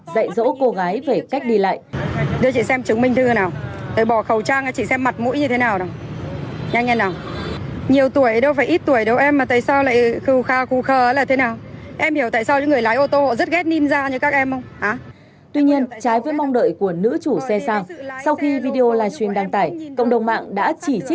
đây là chỉ số đo cồn của anh nhé